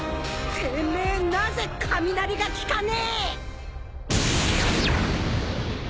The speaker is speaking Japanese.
てめえなぜ雷が効かねぇ！？